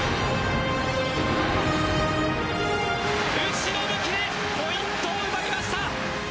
後ろ向きでポイントを奪いました。